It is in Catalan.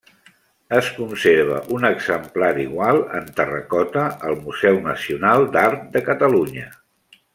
Es conserva un exemplar igual en terracota al Museu Nacional d'Art de Catalunya.